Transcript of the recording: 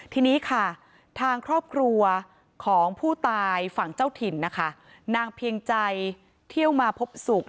ทีนี้ค่ะทางครอบครัวของผู้ตายฝั่งเจ้าถิ่นนะคะนางเพียงใจเที่ยวมาพบศุกร์